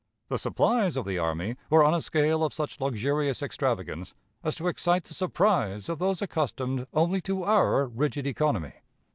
The supplies of the army were on a scale of such luxurious extravagance as to excite the surprise of those accustomed only to our rigid economy.